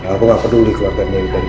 aku gak peduli keluarganya itu dari mana